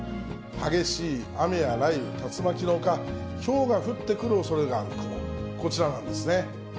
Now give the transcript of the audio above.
激しい雨や雷雨、竜巻のほか、ひょうが降ってくるおそれがある雲、こちらなんですね。